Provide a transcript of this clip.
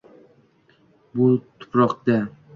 «Bu tuprokda